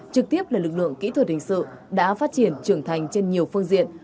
trực tiếp là lực lượng kỹ thuật hình sự đã phát triển trưởng thành trên nhiều phương diện